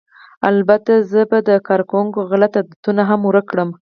البته زه به د کارکوونکو غلط عادتونه هم ورک کړم